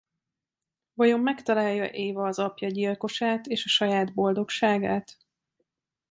Vajon megtalálja-e Eva az apja gyilkosát és a saját boldogságát?